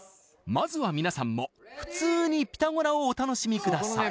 まずはみなさんも普通にピタゴラをお楽しみください